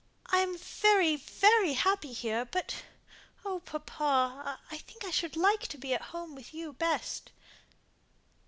I am very happy here; but oh papa! I think I should like to be at home with you best."